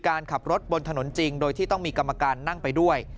การขับรถบนถนนจริงโดยที่ต้องมีกรรมการนั่งไปด้วย